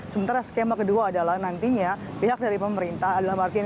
sementara skema kedua adalah nantinya pihak dari pemerintah adalah